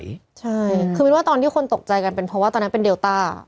ใช่คือมินว่าตอนที่คนตกใจกันเป็นเพราะว่าตอนนั้นเป็นเดลต้า